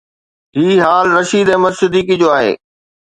هي حال رشيد احمد صديقي جو آهي.